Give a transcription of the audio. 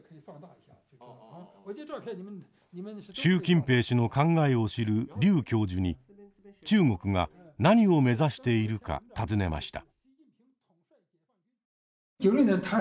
習近平氏の考えを知る劉教授に中国が何を目指しているか尋ねました。